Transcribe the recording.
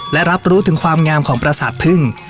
และรับรู้ถึงความงามของประสาทพึ่ง